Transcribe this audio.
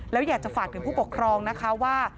แล้วอยากจะฝากถึงผู้ปกครองนะคะว่า